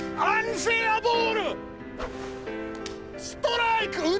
ストライク！